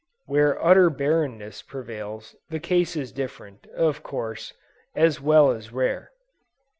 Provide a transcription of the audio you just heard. Where utter barrenness prevails, the case is different, of course, as well as rare."